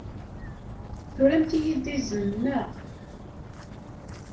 Turamt-iyi-d izen, naɣ?